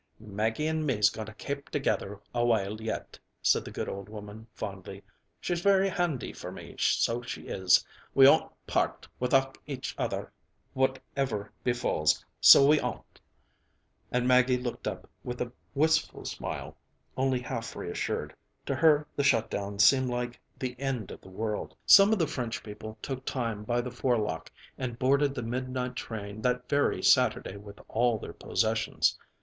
"Maggie an' me's going to kape together awhile yet," said the good old woman fondly. "She's very handy for me, so she is. We 'on't part with 'ach other whativer befalls, so we 'on't," and Maggie looked up with a wistful smile, only half reassured. To her the shut down seemed like the end of the world. Some of the French people took time by the forelock and boarded the midnight train that very Saturday with all their possessions.